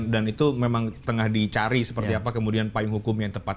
dan itu memang tengah dicari seperti apa kemudian payung hukum yang tepat